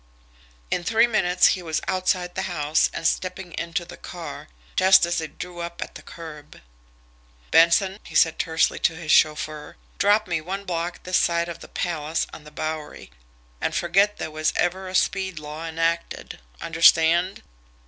In three minutes he was outside the house and stepping into the car, just as it drew up at the curb. "Benson," he said tersely to his chauffeur, "drop me one block this side of the Palace on the Bowery and forget there was ever a speed law enacted. Understand?"